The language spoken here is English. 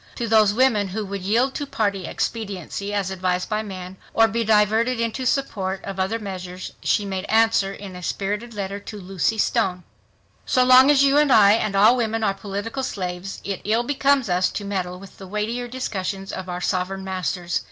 To those women who would yield to party expediency as advised by men, or be diverted into support of other measures, she made answer in a spirited letter to Lucy Stone: "So long as you and I and all women are political slaves, it ill becomes us to meddle with the weightier discussions of our' sovereign masters.